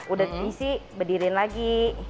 udah isi bedirin lagi